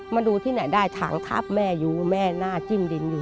มาดูที่ไหนได้ถังทับแม่อยู่แม่หน้าจิ้มดินอยู่